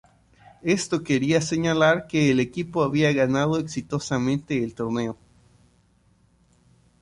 Esto quería señalar que el equipo había ganado exitosamente el torneo.